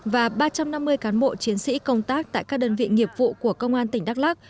và ba trăm năm mươi cán bộ chiến sĩ công tác tại các đơn vị nghiệp vụ của công an tỉnh đắk lắc